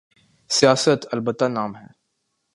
سیاست؛ البتہ نام ہے۔